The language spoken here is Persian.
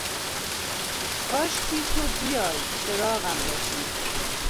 کاشکی تو بیای ، چراغم باشی